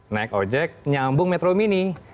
naik ojek nyambung metro mini